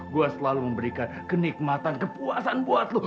gue selalu memberikan kenikmatan kepuasan buat lo